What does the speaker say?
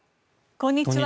こんにちは。